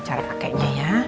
cara pakainya ya